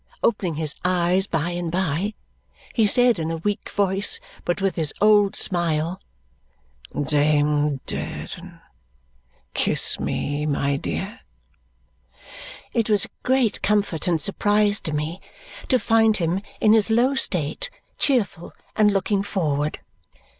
Opening his eyes by and by, he said in a weak voice, but with his old smile, "Dame Durden, kiss me, my dear!" It was a great comfort and surprise to me to find him in his low state cheerful and looking forward.